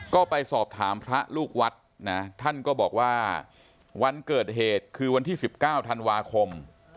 ก็ไปสอบถามพระลูกวัดนะท่านก็บอกว่าวันเกิดเหตุคือวันที่๑๙ธันวาคม